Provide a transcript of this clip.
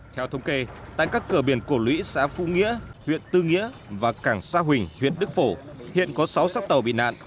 theo thống kê tại các cửa biển cổ lũy xã phú nghĩa huyện tư nghĩa và cảng sa huỳnh huyện đức phổ hiện có sáu sắc tàu bị nạn